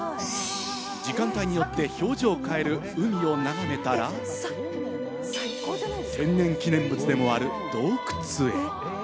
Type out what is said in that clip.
時間帯によって表情を変える海を眺めたら、天然記念物でもある洞窟へ。